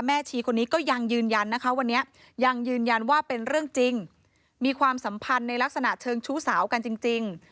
ชีคนนี้ก็ยังยืนยันนะคะวันนี้ยังยืนยันว่าเป็นเรื่องจริงมีความสัมพันธ์ในลักษณะเชิงชู้สาวกันจริง